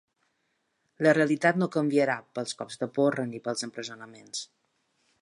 La realitat no canviarà pels cops de porra ni pels empresonaments.